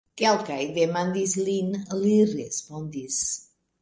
Kelkaj demandis lin, li respondis.